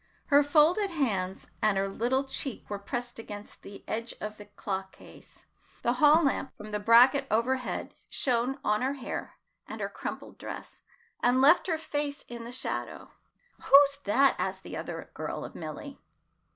Her folded hands and her little cheek were pressed against the edge of the clock case. The hall lamp from the bracket overhead shone on her hair and her crumpled dress, and left her face in the shadow. "Who's that?" asked the other girl of Milly.